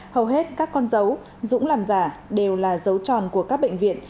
hầu hết các con dấu dũng làm giả đều là dấu tròn của các bệnh viện